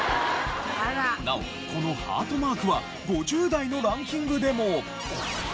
なおこのハートマークは５０代のランキングでも。